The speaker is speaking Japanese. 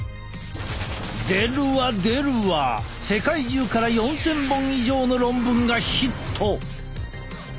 出るわ出るわ世界中から４，０００本以上の論文がヒット！